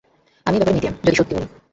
আমি এ ব্যাপারে মিডিয়াম, যদি সত্য বলি।